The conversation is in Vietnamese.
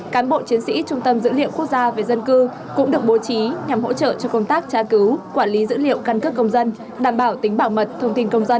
cán bộ chiến sĩ trung tâm dữ liệu quốc gia về dân cư cũng được bố trí nhằm hỗ trợ cho công tác tra cứu quản lý dữ liệu căn cước công dân đảm bảo tính bảo mật thông tin công dân